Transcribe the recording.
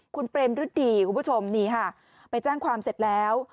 คุณเปรมฤดีคุณผู้ชมนี่ค่ะไปแจ้งความเสร็จแล้ว